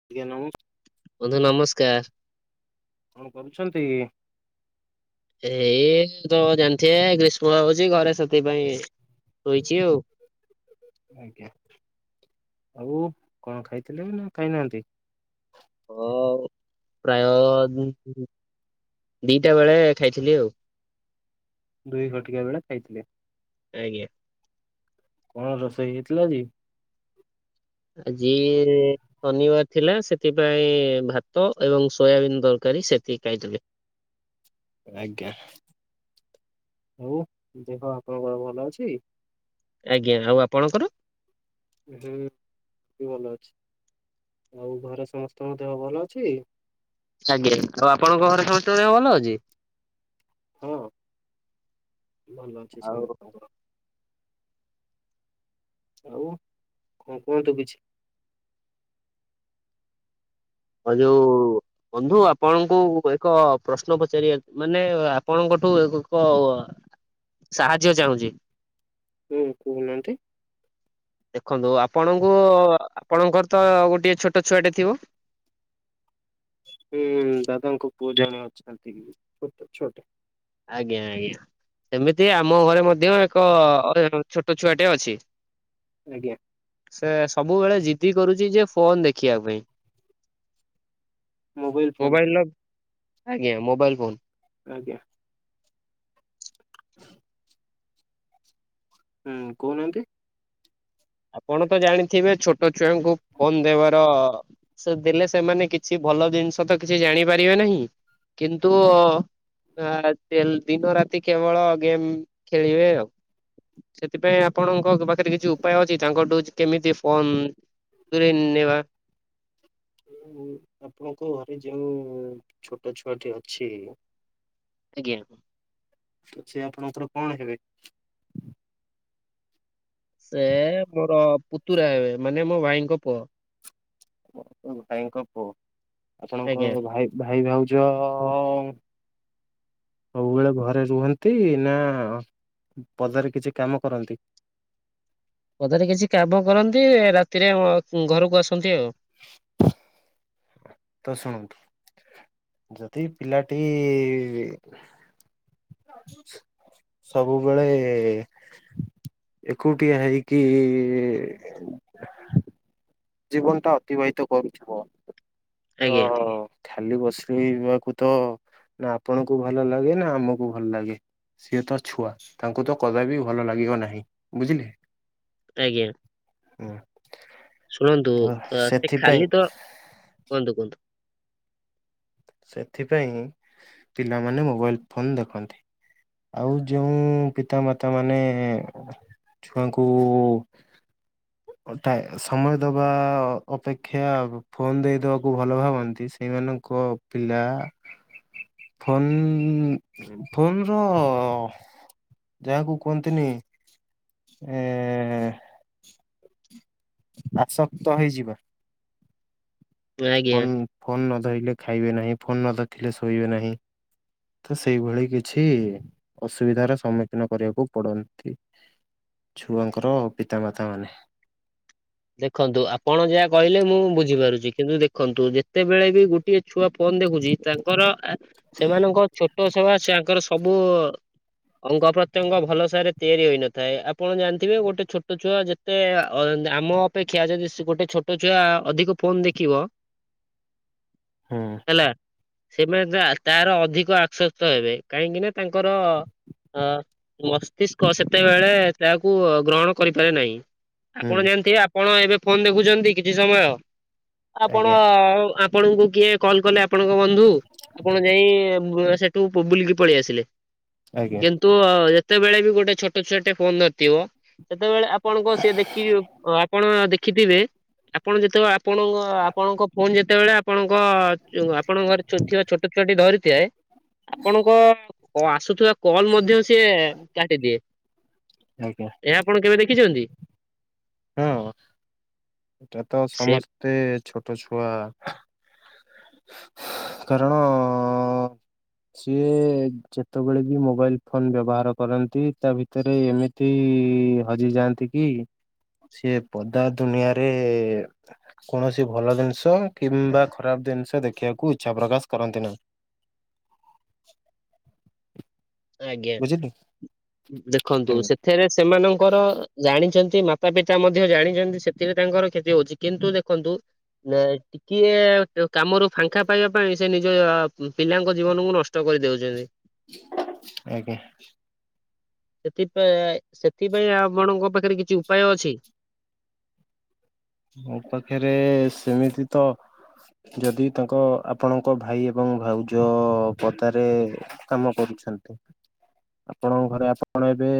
[unintelligible] ବନ୍ଧୁ ନମସ୍କାର। କଣ କରୁଛନ୍ତି? ଏଇ ତ ଜାଣିଥେ ଗ୍ରୀଷ୍ମ ହଉଛି ଘରେ ସେଥିପାଇଁ ଶୋଇଛି ଆଉ। ଆଜ୍ଞା, ଆଉ କଣ ଖାଇଥିଲେ ନା ଖାଇନାହାନ୍ତି? ଅ ପ୍ରାୟ ଦିଟା ବେଳେ ଖାଇଥିଲି ଆଉ। ଦୁଇ ଘଟିକା ବେଳେ ଖାଇଥିଲେ। ଆଜ୍ଞା। କଣ ରୋଷେଇ ହେଇଥିଲା ଆଜି? ଆଜି ଶନିବାର ଥିଲା ସେଥିପାଇଁ ଭାତ ଏବଂ ସୋୟାବିନ୍ ତରକାରୀ ସେତିକି ଖାଇଥିଲି। ଆଜ୍ଞା, ଆଉ ଦେହ ପା ଆପଣଙ୍କର ଭଲ ଅଛି? ଆଜ୍ଞା, ଆଉ ଆପଣଙ୍କର? ହୁଁ ଭଲ ଅଛି, ଆଉ ଘରେ ସମସ୍ତଙ୍କ ଦେହ ଭଲ ଅଛି? ଆଜ୍ଞା, ଆଉ ଆପଣଙ୍କ ଘରେ ସମସ୍ତଙ୍କ ଦେହ ଭଲ ଅଛି? ହଁ ଭଲ ଅଛି ଆଉ ସମସ୍ତଙ୍କର। ଆଉ କଣ କୁହନ୍ତୁ କିଛି? ଆଉ ଯୋଉ ବନ୍ଧୁ ଆପଣଙ୍କୁ ଏକ ପ୍ରଶ୍ନ ପଚାରିବା ମାନେ ଆପଣଙ୍କଠୁ ଏକ ସାହାଯ୍ୟ ଚାହୁଁଛି। ହୁଁ କହୁନାହାନ୍ତି? ଦେଖନ୍ତୁ ଆପଣଙ୍କୁ ଆପଣଙ୍କର ତ ଗୋଟିଏ ଛୋଟ ଛୁଆଟେ ଥିବ। ହୁଁ ଦାଦାଙ୍କ ପୁଅ ଜଣେ ଅଛନ୍ତି। ଛୋଟ ଛୋଟ ଆଜ୍ଞା ଆଜ୍ଞା। ଏମିତି ଆମ ଘରେ ମଧ୍ୟ ଏକ ଛୋଟ ଛୁଆଟେ ଅଛି। ଆଜ୍ଞା। ସେ ସବୁବେଳେ ଜିଦି କରୁଛି ଯେ ଫୋନ ଦେଖିବା ପାଇଁ। ମୋବାଇଲ ଫୋନ ମୋବାଇଲର ଆଜ୍ଞା ମୋବାଇଲ ଫୋନ। ଆଜ୍ଞା ହୁଁ କହୁନାହାନ୍ତି। ଆପଣ ତ ଜାଣିଥିବେ ଛୋଟ ଛୁଆଙ୍କୁ ଫୋନ ଦେବାର ସେ ଦେଲେ ସେମାନେ କିଛି ଭଲ ଜିନିଷ ତ କିଛି ଜାଣିପାରିବେ ନାହିଁ। କିନ୍ତୁ ଆ ଦିନ ରାତି କେବଳ ଗେମ ଖେଳିବେ ଆଉ। ସେଥିପାଇଁ ଆପଣଙ୍କ ପାଖରେ କିଛି ଉପାୟ ଅଛି ତାଙ୍କଠୁ କେମିତି ଫୋନ ଦୂରେଇ ନେବା ଆପଣଙ୍କ ଘରେ ଯେଉଁ ଛୋଟ ଛୁଆଟି ଅଛି। ଆଜ୍ଞା ତ ସେ ଆପଣଙ୍କର କଣ ହେବେ? ସେ ମୋର ପୁତୁରା ହେବେ ମାନେ ମୋ ଭାଇଙ୍କ ପୁଅ। ଭାଇଙ୍କ ପୁଅ ଆପଣଙ୍କ ଆଜ୍ଞା। ଭାଇ ଭାଇ ଭାଉଜ। ସବୁବେଳେ ଘରେ ରୁହନ୍ତି ନା ପଦାରେ କିଛି କାମ କରନ୍ତି? ପଦାରେ କିଛି କାମ କରନ୍ତି ରାତିରେ ଘରକୁ ଆସନ୍ତି ଆଉ। ତ ଶୁଣନ୍ତୁ। ଯଦି ପିଲାଟି। ସବୁବେଳେ ଏକୁଟିଆ ହେଇକି ଜୀବନଟା ଅତିବାହୀତ କରୁଥିବ ତ ଆଜ୍ଞା ଖାଲି ବସିବାକୁ ତ ନା ଆପଣଙ୍କୁ ଭଲ ଲାଗେ ନା ଆମକୁ ଭଲ ଲାଗେ। ସିଏତ ଛୁଆ ତାଙ୍କୁ ତ କଦାପି ଭଲ ଲାଗିବ ନାହିଁ ବୁଝିଲେ। ଆଜ୍ଞା ହୁଁ ଶୁଣନ୍ତୁ ତ ଅ ସେ ସେଥିପାଇଁ ଖାଲିତ କୁହନ୍ତୁ କୁହନ୍ତୁ। ସେଥିପାଇଁ ପିଲାମାନେ ମୋବାଇଲ ଫୋନ୍ ଦେଖନ୍ତି। ଆଉ ଯେଉଁ ପିତାମାତା ମାନେ ଛୁଆଙ୍କୁ ଟା ସମୟ ଦେବା ଅପେକ୍ଷା ଫୋନ୍ ଦେଇଦବାକୁ ଭଲ ଭାବନ୍ତି ସେଇମାନଙ୍କ ପିଲା ଫୋନ୍ ଫୋନର ଯାହାକୁ କୁହନ୍ତିନି ଏଁ ଆସକ୍ତ ହେଇଯିବା ଆଜ୍ଞା। ଫୋନ ଫୋନ ନ ଧଇଲେ ଖାଇବେ ନାହିଁ ଫୋନ ନ ଦେଖିଲେ ଶୋଇବେ ନାହିଁ। ତ ସେଇଭଳି କିଛି ଅସୁବିଧାର ସମ୍ମୁଖୀନ କରିବାକୁ ପଡନ୍ତି। ଛୁଆଙ୍କର ପିତାମାତା ମାନେ। ଦେଖନ୍ତୁ ଆପଣ ଯାହା କହିଲେ ମୁଁ ବୁଝିପାରୁଛି କିନ୍ତୁ ଦେଖନ୍ତୁ ଯେତେବେଳେ ବି ଗୋ ଟିଏ ଛୁଆ ଫୋନ ଦେଖୁଛି ତାଙ୍କର ସେମାନଙ୍କ ଛୋଟ ସେବା ସେ ଆଙ୍କର ସବୁ ଅଙ୍ଗ ପ୍ରତ୍ୟଙ୍ଗ ଭଲସାରେ ତିଆରି ହୋଇନଥାଏ। ଆପଣ ଜାଣିଥିବେ ଗୋଟେ ଛୋଟ ଛୁଆ ଯେ ଟିଏ ଇଏ ଆମ ଅପେକ୍ଷା ଯଦି ଗୋଟେ ଛୋଟ ଛୁଆ ଅଧିକ ଫୋନ ଦେଖିବ ହୁଁ ହେଲା ସେମାନେ ତାର ଅଧିକ ଆଶଵସ୍ତ ହେବେ କାହିଁକି ନା ତାଙ୍କର ହଁ ମସ୍ତିଷ୍କ ସେତେବେଳେ ତାହାକୁ ଗ୍ରହଣ କରିପାରେ ନାହିଁ। ହୁଁ ଆପଣ ଜାଣିଥିବେ ଆପଣ ଏବେ ଫୋନ ଦେଖୁଛନ୍ତି କିଛି ସମୟ, ଆପଣ ଆଜ୍ଞା। ଆ ଆପଣଙ୍କୁ କିଏ କଲ କଲେ ଆପଣଙ୍କ ବନ୍ଧୁକୁ ଆପଣ ଯାଇ ସେଠୁ ବୁଲିକି ପଳେଇ ଆସିଲେ। ଆଜ୍ଞା କିନ୍ତୁ ଯେତେବେଳେ ବି ଗୋଟେ ଛୋଟଛୁଆଟେ ଫୋନ ଧରିଥିବ ସେତେବେଳେ ଆପଣଙ୍କ ସିଏ ଦେଖି ଆ ଦେଖିଥିବେ ଆପଣ ଯେତେବେଳେ ଆପଣଙ୍କ ଆପଣଙ୍କ ଫୋନ ଯେତେବେଳେ ଆପଣଙ୍କ ଆପଣଙ୍କ ଘରେ ଥିବା ଛୋଟ ଛୁଆଟି ଧରିଥାଏ ଆପଣଙ୍କ ଓ ଆସୁଥିବା କଲ ମଧ୍ୟ ସିଏ କାଟିଦିଏ। ଆଜ୍ଞା। ଏହା ଆପଣ କେବେ ଦେଖିଚନ୍ତି? ହଁ ଏଟା ତ ସେ ସମସ୍ତେ ଛୋଟ ଛୁଆ କାରଣ ସିଏ ଯେତେବେଳେ ବି ମୋବାଇଲ ଫୋନ ବ୍ୟବହାର କରନ୍ତି ତା ଭିତରେ ଏମିତି କି ହଜି ଯାଆନ୍ତି କି। ସେ ପଦା ଦୁନିଆରେ କୌଣସି ଭଲ ଜିନିଷ କିମ୍ବା ଖରାପ ଜିନିଷ ଦେଖିବାକୁ ଇଚ୍ଛା ପ୍ରକାଶ କରନ୍ତି ନାହିଁ। ଆଜ୍ଞା ବୁଝିଲେ। ଦେଖନ୍ତୁ ହୁଁ ସେ ଏଥିରେ ସେମାନଙ୍କର ଜାଣିଛନ୍ତି ମାତା ପିତା ମଧ୍ୟ ଜାଣିଛନ୍ତି ସେଥିରେ ତାଙ୍କର କ୍ଷତି ହୋଉଛି। କିନ୍ତୁ ଦେଖନ୍ତୁ ଏ ଟିକିଏ କାମରୁ ଫାଙ୍କା ପାଇବା ପାଇଁ ସେ ନିଜ ପିଲାଙ୍କ ଜୀବନକୁ ନଷ୍ଟ କରି [unintelligible] ଆଜ୍ଞା। ସେଥିପାଇଁ ସେଥିପାଇଁ ଆପଣଙ୍କ ପାଖରେ କିଛି ଉପାୟ ଅଛି? ମୋ ପାଖରେ ସେମିତି ତ ଯଦି ତାଙ୍କ ଆପଣଙ୍କ ଭାଇ ଏବଂ ଭାଉଜ ପତାରେ କାମ କରୁଛନ୍ତି ଆପଣଙ୍କ ଘରେ ଆପଣ ଏବେ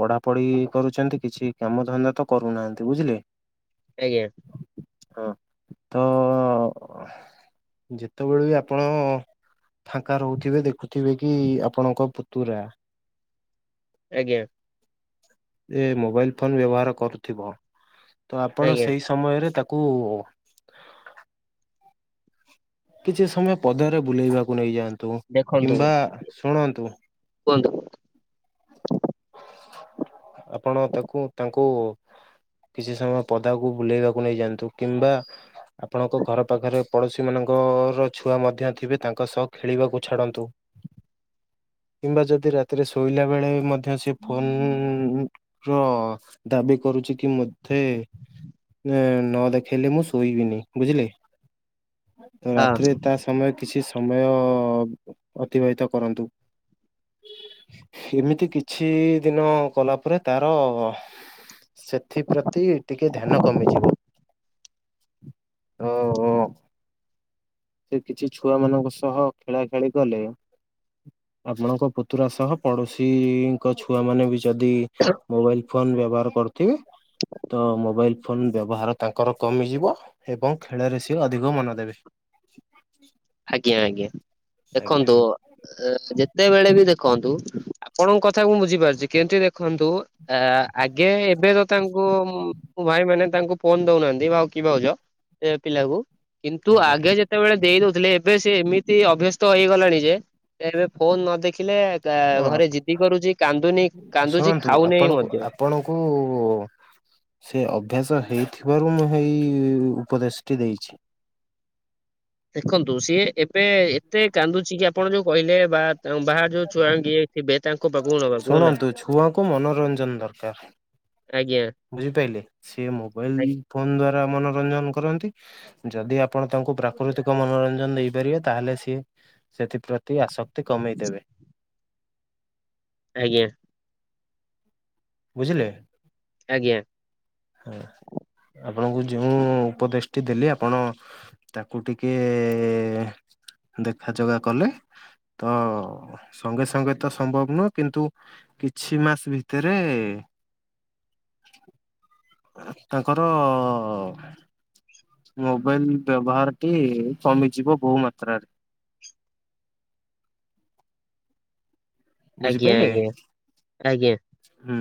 ପଢାପଢି କରୁଛନ୍ତି କିଛି କାମ ଧନ୍ଦା ତ କରୁନାହାନ୍ତି ବୁଝିଲେ? ଆଜ୍ଞା। ହଁ ତ ଯେତେବେଳେ ବି ଆପଣ ଫାଙ୍କା ରହୁଥିବେ ଦେଖୁଥିବେ କି ଆପଣଙ୍କ ପୁତୁରା ଆଜ୍ଞା। ଏ ମୋବାଇଲ ଫୋନ ବ୍ୟବହାର କରୁଥିବ ତ ଆପଣ ସେ ଆଜ୍ଞା ସମୟରେ ତାକୁ କିଛି ସମୟ ପଦାରେ ବୁଲେଇବାକୁ ନେଇଯାଆନ୍ତୁ ଦେଖନ୍ତୁ କିମ୍ବା ଶୁଣନ୍ତୁ କୁହନ୍ତୁ। ଆପଣ ତାକୁ ତାଙ୍କୁ କିଛି ସମୟ ପଦାକୁ ବୁଲେଇବାକୁ ନେଇଯାଆନ୍ତୁ କିମ୍ବା ଆପଣଙ୍କ ଘର ପାଖରେ ପଡୋଶୀ ମାନଙ୍କର ଛୁଆ ମଧ୍ୟ ଥିବେ ତାଙ୍କ ସହ ଖେଳିବାକୁ ଛାଡନ୍ତୁ। କିମ୍ବା ଯଦି ରାତିରେ ଶୋଇଲା ବେଳେ ମଧ୍ୟ ସେ ଫୋନ୍ ର ଦାବି କରୁଛି କି ମତେ ନ ଦେଖେଇଲେ ମୁଁ ଶୋଇବିନି ବୁଝିଲେ, ତ ରାତିରେ ତା ତମେ କିଛି ସମୟ ଅତିବାହିତ କରନ୍ତୁ। ସେମିତି କିଛି ଦିନ କଲା ପରେ ତାର ସେଥିପ୍ରତି ଟିକେ ଧ୍ୟାନ କମିଯିବ, ହଁ, ହଁ। ସେ କିଛି ଛୁଆମାନଙ୍କ ସହ ଖେଳା ଖେଳି କଲେ ଆପଣଙ୍କ ପୁତୁରା ସହ ପଡୋଶୀଙ୍କ ଛୁଆ ମାନେ ବି ଯଦି ମୋବାଇଲ୍ ଫୋନ୍ ବ୍ୟବହାର କରୁଥିବେ ତ ମୋବାଇଲ୍ ଫୋନ୍ ବ୍ୟବହାର ତାଙ୍କର କମିଯିବ ଏବଂ ଖେଳରେ ସିଏ ଅଧିକ ମନ ଦେବେ। [inaudible] ଆଜ୍ଞା ଆଜ୍ଞା ଆଜ୍ଞା ଦେଖନ୍ତୁ ଏ ଯେତେବେଳେ ବି ଦେଖନ୍ତୁ ଆପଣଙ୍କ କଥାକୁ ମୁଁ ବୁଝିପାରୁଛି କେମତି ଦେଖନ୍ତୁ ଆ ଆଗେ ଏବେ ତ ତାଙ୍କୁ ମୁଁ ମୋ ଭାଇ ମାନେ ତାଙ୍କୁ ଫୋନ୍ ଦଉନାହାନ୍ତି ଭାଉ କି ଭାଉଜ ଏ ପିଲାଙ୍କୁ କିନ୍ତୁ ଆଜ୍ଞା ଆଗେ ଯେତେବେଳେ ଦେଇଦଉ ଥିଲେ ଏବେ ସେ ଏମିତି ଅଭ୍ୟସ୍ତ ହେଇଗଲାଣି ଯେ ଏବେ ଫୋନ୍ ନ ଦେଖିଲେ ତା ହଁ ଘରେ ଜିଦି କରୁଛି କାନ୍ଦୁନି କାନ୍ଦୁଛି ଖାଉନେହ୍ନି ବି ମଧ୍ୟ। ଓ ହୋ। ସେ ଅଭ୍ୟାସ ହେଇଥିବାରୁ ମୁଁ ହେଇ ଉପଦେଶଟି ଦେଇଛି। ଦେଖନ୍ତୁ ସିଏ ଏବେ ଏତେ କାନ୍ଦୁଛି କି ଆପଣ ଯୋଉ କହିଲେ ବା ବାହା ଯୋଉ ଛୁଆଙ୍ଗେ ଥିବେ ତାଙ୍କ ପାଖ ନବାକୁୁ ହେଲା। ଶୁଣନ୍ତୁ ଛୁଆଙ୍କୁ ମନୋରଞ୍ଜନ ଆଜ୍ଞା। ବୁଝିପାଇଲେ ସିଏ ମୋବାଇଲ୍ ଫୋନ୍ ଦ୍ଵାରା ମନୋରଞ୍ଜନ କରନ୍ତି। ଯଦି ଆପଣ ତାଙ୍କୁ ପ୍ରାକୃତିକ ମନୋରଞ୍ଜନ ଦେଇପାରିବେ ତାହେଲେ ସିଏ ସେଥିପ୍ରତି ଆସକ୍ତି କମେଇଦେବେ। ଆଜ୍ଞା। ବୁଝିଲେ। ଆଜ୍ଞା। ହୁଁ ଆପଣଙ୍କୁ ଯେଉଁ ଉପଦେଶ ଟି ଦେଲି ଆପଣ ତାକୁ ଟିକେ ଦେଖା ଚୋଗା କଲେ ତ ସଙ୍ଗେ ସଙ୍ଗେ ତ ସମ୍ଭବ ନୁହଁ କିନ୍ତୁ କିଛି ମାସ ଭିତରେ ହେ [inaudible] ତାଙ୍କର ଅ ମୋବାଇଲ୍ ବ୍ୟବହାରଟି କମିଯିବ ବହୁ ମାତ୍ରାରେ। ଆଜ୍ଞା ବୁଝିପାଇଲେ ଆଜ୍ଞା ଆଜ୍ଞା ହୁଁ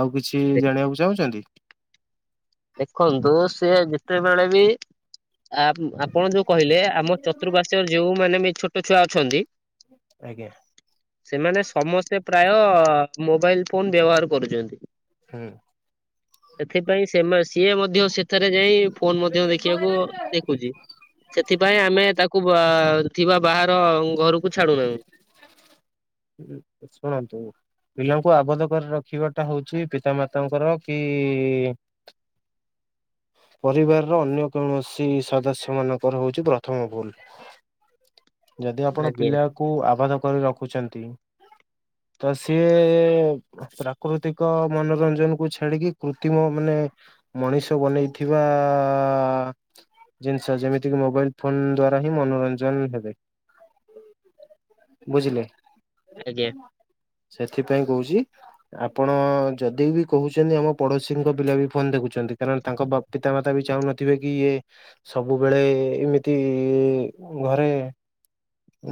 ଆଉ କିଛି ଦେ- ଜାଣିବାକୁ ଚାହୁଁଛନ୍ତି। ଦେଖନ୍ତୁ ସେ ଯେତେବେଳେ ବି ଆ- ଆପ୍ ଆପଣ ଯୋଉ କହିଲେ ଆମ ଚତୁଃପାର୍ଶ୍ଵରେ ଯେଉଁମାନେ ବି ଛୋଟ ଛୁଆ ଅଛନ୍ତି ଆଜ୍ଞା। ସେମାନେ ସମସ୍ତେ ପ୍ରାୟ ମୋବାଇଲ୍ ଫୋନ୍ ବ୍ୟବହାର କରୁଛନ୍ତି‌। ହୁଁ। ଏଥିପାଇଁ ସେମା ସିଏ ମଧ୍ୟ ସେଠାରେ ଯାଇ ଫୋନ୍ ମଧ୍ୟ ଦେଖିବାକୁ ଦେଖୁଛି ସେଥିପାଇଁ ଆମେ ତାକୁ ତାକୁ ବା ଥିବା ବାହାର ଘରକୁ ଛାଡୁନାହୁଁ। [unintelligible] ଶୁଣନ୍ତୁ ପିଲାଙ୍କୁ ଆବଦ୍ଧ କରି ରଖିବାଟା ହଉଛି ପିତାମାତାଙ୍କର କି ପରିବାରର ଅନ୍ୟ କୌଣସି ସଦସ୍ୟ ମାନଙ୍କର ହଉଛି ପ୍ରଥମ ଭୁଲ୍। ଯଦି ଆପଣ ଆଜ୍ଞା ପିଲାକୁ ଆବାଧ କରି ରଖୁଛନ୍ତି ତ ସିଏ ପ୍ରାକୃତିକ ମନୋରଞ୍ଜନ କୁ ଛାଡିକି କୃତ୍ରିମ ମାନେ ମଣିଷ ବନେଇଥିବା ଆ ଜିନିଷ ଯେମିତିକି ମୋବାଇଲ ଫୋନ ଦ୍ଵାରା ହିଁ ମନୋରଞ୍ଜନ ହେବେ। ବୁଝିଲେ। ଆଜ୍ଞା। ସେଥିପାଇଁ କହୁଚି ଆପଣ ଯଦି ବି କହୁଚନ୍ତି ଆମ ପଡୋଶୀଙ୍କ ପିଲା ବି ଫୋନ ଦେଖୁଚନ୍ତି କାରଣ ତାଙ୍କ ବାପ ପିତାମାତା ବି ଚାହୁଁନଥିବେ କି ଇଏ ସବୁବେଳେ ଏମିତି ଘରେ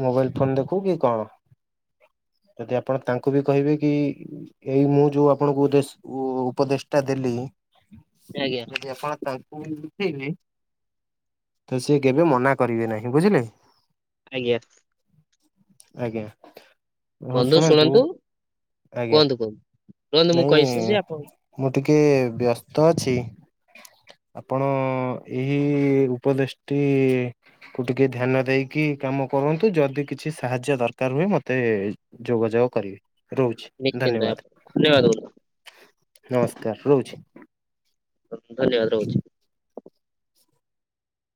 ମୋବାଇଲ ଫୋନ ଦେଖୁ କି କଣ ଯଦି ଆପଣ ତାଙ୍କୁ ବି କହିବେ କି ଏଇ ମୁଁ ଯୋଉ ଆପଣଙ୍କୁ ଉଦେଶ ଉପଦେଶ ଟା ଦେଲି ଆଜ୍ଞା ଯଦି ଆପଣ ତାଙ୍କୁ [unintelligible] ତ ସେ କେବେ ମନା କରିବେ ନାହିଁ ବୁଝିଲେ। ଆଜ୍ଞା। ଆଜ୍ଞା। ହଉ ଶୁଣନ୍ତୁ ଆଜ୍ଞା କୁହନ୍ତୁ କୁହନ୍ତୁ ରୁହନ୍ତୁ ମୁଁ ନାଇଁ କହିସାରିଛି ଆପଣ ମୁଁ ଟିକେ ବ୍ୟସ୍ତ ଅଛି। ଆପଣ ଏହି ଉପଦେଶଟି ତୁ ଟିକେ ଧ୍ୟାନ ଦେଇକି କାମ କରନ୍ତୁ ଯଦି କିଛି ସାହାଯ୍ୟ ଦରକାର ହୁଏ ମୋତେ ଯୋଗଯାଗ କରିବେ ରହୁଛି। ନିଶ୍ଚିନ୍ତ ଧନ୍ୟବାଦ [unintelligible] ନମସ୍କାର ରହୁଛି। ଧନ୍ୟବାଦ ରହୁଛି।